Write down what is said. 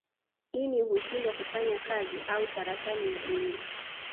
Ini hushindwa kufanya kazi au saratani ya ini